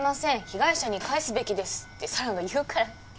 被害者に返すべきです」って四朗が言うから。